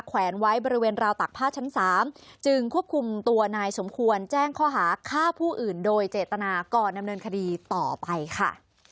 แวนไว้บริเวณราวตักผ้าชั้น๓จึงควบคุมตัวนายสมควรแจ้งข้อหาฆ่าผู้อื่นโดยเจตนาก่อนดำเนินคดีต่อไปค่ะ